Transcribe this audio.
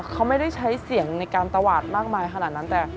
เขาไม่ได้ใช้เสียงในการตวาดมากมายขนาดนั้นแต่